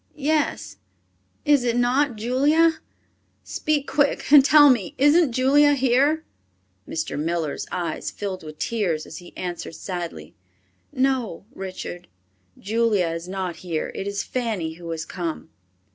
Yes, is it not Julia? Speak quick and tell me, isn't Julia here?" Mr. Miller's eyes filled with tears as he answered sadly, "No, Richard, Julia is not here; it is Fanny who has come."